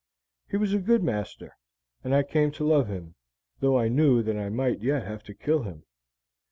"He was a good master, and I came to love him, though I knew that I might yet have to kill him.